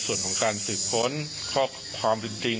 ส่วนของการสืบค้นข้อความเป็นจริง